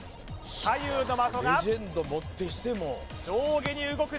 左右の的が上下に動く